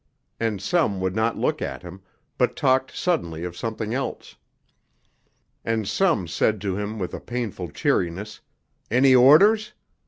And some would not look at him, but talked suddenly of something else. And some said to him with a painful cheeriness, 'Any orders?'